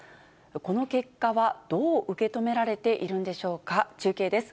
この結果は、どう受け止められているんでしょうか、中継です。